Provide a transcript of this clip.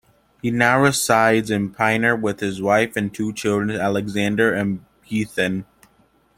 He now resides in Pinner with his wife and two children, Alexander and Bethan.